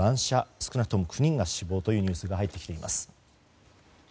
少なくとも９人が死亡というニュースが入ってきています。